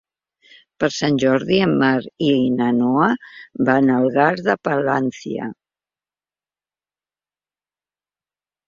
Per Sant Jordi en Marc i na Noa van a Algar de Palància.